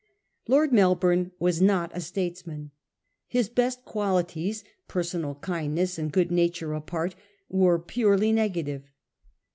Lord Melbourne was not a statesman. His best qualities, personal kindness and good nature apart, were purely negative.